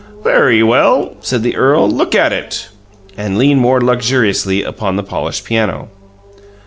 "Very well," said the earl; "look at it." And leaned more luxuriously upon the polished piano.